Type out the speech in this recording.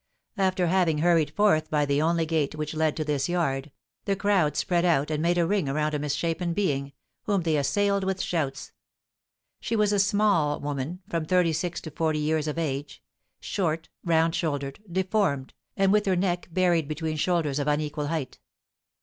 After having hurried forth by the only gate which led to this yard, the crowd spread out and made a ring around a misshapen being, whom they assailed with shouts. She was a small woman, from thirty six to forty years of age; short, round shouldered, deformed, and with her neck buried between shoulders of unequal height.